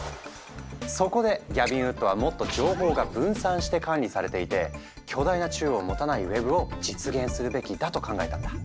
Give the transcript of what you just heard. そこでギャビン・ウッドはもっと情報が分散して管理されていて巨大な中央を持たないウェブを実現するべきだと考えたんだ。